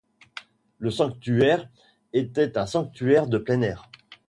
Le sanctuaire était un sanctuaire de plein air.